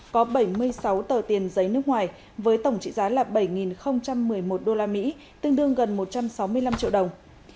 có bảy mươi sáu tờ tiền giấy nước ngoài với tổng trị giá là bảy một mươi một usd tương đương gần một trăm sáu mươi năm triệu đồng